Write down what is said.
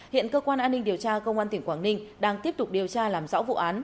hiện cơ quan an ninh điều tra công an tỉnh quảng ninh đang tiếp tục điều tra làm rõ vụ án